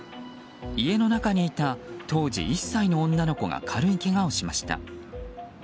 家の中にいた当時１歳の女の子が軽いけがをしました。